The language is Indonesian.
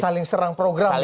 saling serang program ya